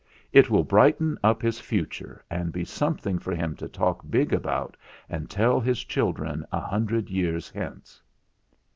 It will brighten up his future and be something for him to talk big about and tell his children a hundred years hence."